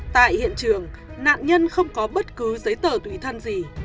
tại hiện trường nạn nhân không có bất cứ giấy tờ tùy thân gì